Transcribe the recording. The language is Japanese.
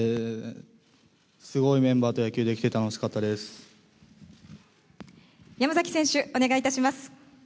すごいメンバーと野球できて山崎選手、お願いいたします。